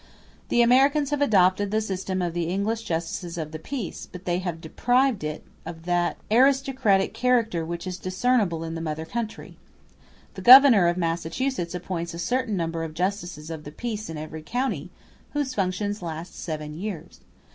The Americans have adopted the system of the English justices of the peace, but they have deprived it of that aristocratic character which is discernible in the mother country. The Governor of Massachusetts *p appoints a certain number of justices of the peace in every county, whose functions last seven years.